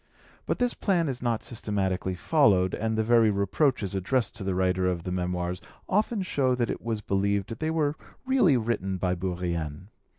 But this plan is not systematically followed, and the very reproaches addressed to the writer of the Memoirs often show that it was believed they were really written by Bourrienne.